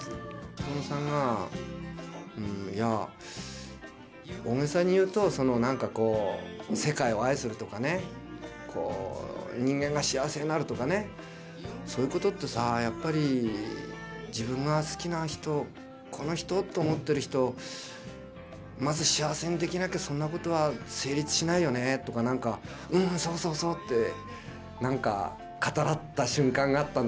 細野さんがいや大げさに言うと何かこう世界を愛するとかねこう人間が幸せになるとかねそういうことってさやっぱり自分が好きな人この人と思ってる人をまず幸せにできなきゃそんなことは成立しないよねとか何かうんうんそうそうそうって何か語らった瞬間があったんだな。